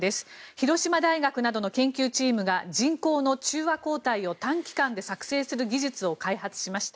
広島大学などの研究チームが人工の中和抗体を短期間で作成する技術を開発しました。